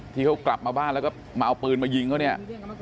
ที่เขากลับมาบ้านแล้วก็มาเอาปืนมายิงเขาเนี่ย